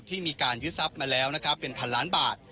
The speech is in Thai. ที่มีการยึดทรัพย์มาแล้วเป็นพันล้านบาท